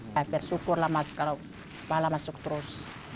bersyukur lah mas kalau pala masuk terus